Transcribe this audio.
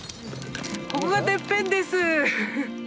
ここがてっぺんです。